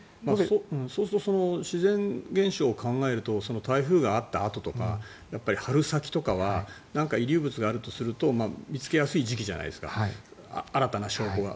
そうすると自然現象を考えると台風があったあととか春先とかは遺留物があるとすると見つけやすい時期じゃないですか新たな証拠が。